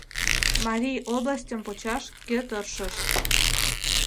МАРИЙ ОБЛАСТЬЫМ ПОЧАШ КӦ ТЫРШЫШ